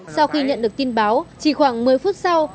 sau khi nhận được tin báo chỉ khoảng một mươi phút sau